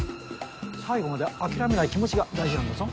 最後まで諦めない気持ちが大事なんだぞ。